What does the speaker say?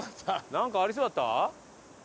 なんかありそうだった？